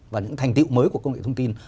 và những thành tiệu mới của công nghệ thông tin